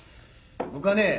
僕はね